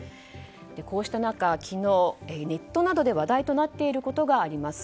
こうした中、昨日ネットなどで話題となっていることがあります。